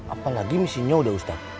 apa lagi misinya udah ustadz